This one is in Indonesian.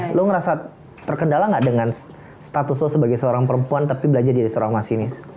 lo ngerasa terkendala nggak dengan status lo sebagai seorang perempuan tapi belajar jadi seorang masinis